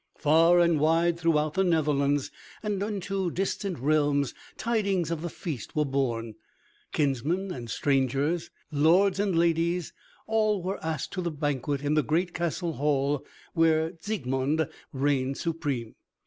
Far and wide throughout the Netherlands and into distant realms tidings of the feast were borne. Kinsmen and strangers, lords and ladies, all were asked to the banquet in the great castle hall where Siegmund reigned supreme.